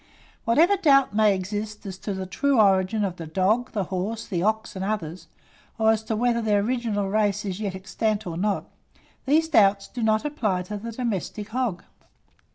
Whatever doubt may exist as to the true origin of the dog, the horse, the ox, and others, or as to whether their original race is yet extant or not, these doubts do not apply to the domestic hog.